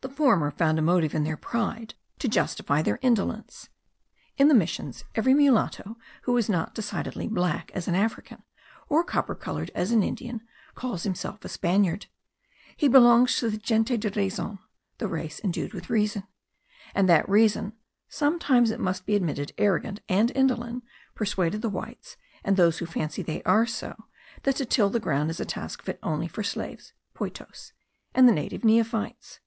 The former found a motive in their pride to justify their indolence. In the missions, every mulatto who is not decidedly black as an African, or copper coloured as an Indian, calls himself a Spaniard; he belongs to the gente de razon the race endued with reason; and that reason (sometimes, it must be admitted, arrogant and indolent) persuaded the whites, and those who fancy they are so, that to till the ground is a task fit only for slaves (poitos) and the native neophytes.